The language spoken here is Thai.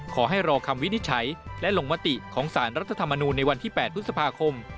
ขอให้รอคำวินิจฉัยและลงมติของสารรัฐธรรมนูลในวันที่๘พฤษภาคม